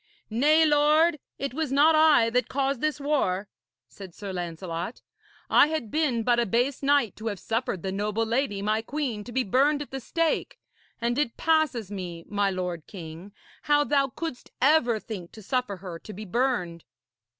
'Nay, lord, it was not I that caused this war,' said Sir Lancelot. 'I had been but a base knight to have suffered the noble lady my queen to be burned at the stake. And it passes me, my lord king, how thou couldst ever think to suffer her to be burned.'